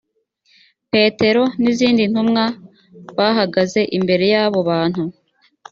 petero n’izindi ntumwa bahagaze imbere y’abo bantu